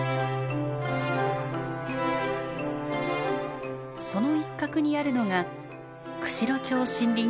その一角にあるのが釧路町森林公園。